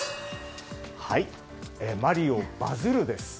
マリオバズるです。